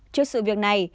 trước sự việc này